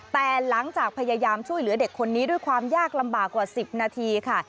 แต่หลังจากพยายามช่วยเหลือเด็กคนนี้ด้วยความยากลำบากกว่า๑๐นาทีค่ะ